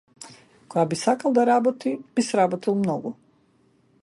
Кога би сакал да работи би сработил многу.